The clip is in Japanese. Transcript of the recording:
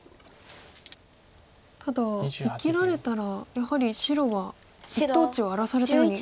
ただ生きられたらやはり白は一等地を荒らされたように。